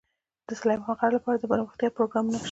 د سلیمان غر لپاره دپرمختیا پروګرامونه شته.